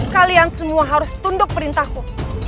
kalian semua harus tunduk perintahku